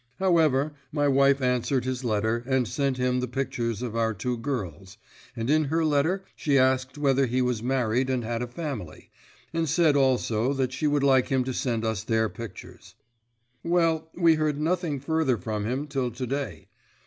However, my wife answered his letter, and sent him the pictures of our two girls, and in her letter she asked whether he was married and had a family, and said also that she would like him to send us their pictures. Well, we heard nothing further from him till to day.